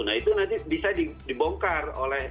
nah itu nanti bisa dibongkar oleh